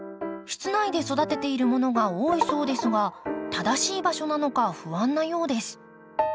室内で育てているものが多いそうですが正しい場所なのか不安なようです。